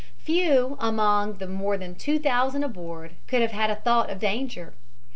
Few among the more than 2000 aboard could have had a thought of danger.